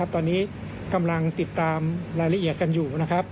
ตอนนี้กำลังติดตามรายละเอียดกันอยู่นะครับ